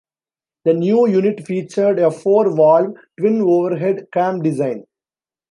The new unit featured a four-valve, twin overhead cam design.